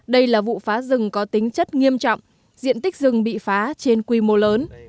đây là vụ phá rừng có tính chất nghiêm trọng diện tích rừng bị phá trên quy mô lớn